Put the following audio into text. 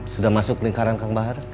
sudah masuk lingkaran kang bahar